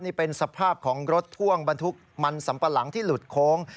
นี่เป็นสภาพของรถพ่วงบรรทุกมันสัมปะหลังที่หลุดโค้ง